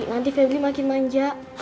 nanti febly makin manja